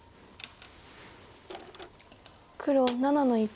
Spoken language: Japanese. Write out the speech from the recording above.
黒７の一。